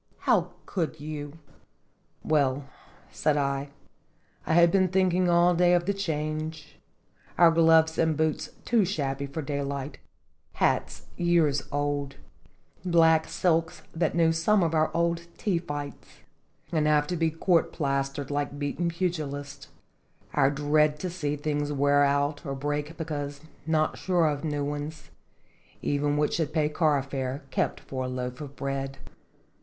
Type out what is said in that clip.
How could you?" "Well," said I, "I had been thinking all day of the change our gloves and boots too shabby for daylight, hats years old, black silks that knew some of our old ' tea fights ' and have to be court plastered like beaten pugil ists, our dread to see things wear out or break because not sure of new ones, even what should pay car fare kept for a loaf of bread."